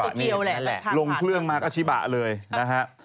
โอ้โหนี่ลงเครื่องมาก็ชิบะเลยนะฮะ